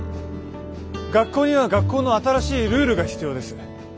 学校には学校の新しいルールが必要です。